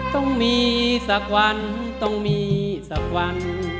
ต้องมีสักวันต้องมีสักวัน